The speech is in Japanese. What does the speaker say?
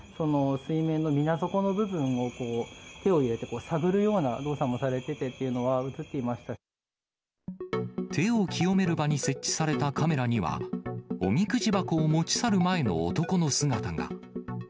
水面の水底の部分を手を入れて、探るような動作もされててってい手を清める場に設置されたカメラには、おみくじ箱を持ち去る前の男の姿が。